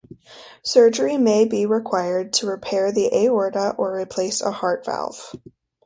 Surgery may be required to repair the aorta or replace a heart valve.